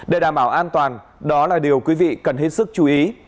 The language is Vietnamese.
để đảm bảo an toàn đó là điều quý vị cần hết sức chú ý